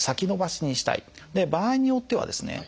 場合によってはですね